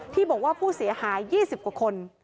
ที่บอกว่าผู้เสียหาย๒๐กว่าคน